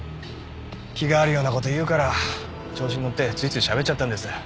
気があるような事言うから調子に乗ってついつい喋っちゃったんです。